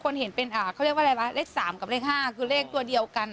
เลข๓กับเลข๕คือเลขตัวเดียวกัน